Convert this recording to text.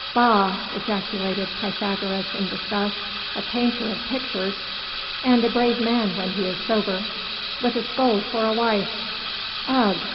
"Bah!" ejaculated Pythagoras in disgust, "a painter of pictures!" "And a brave man when he is sober." "With a scold for a wife! Ugh!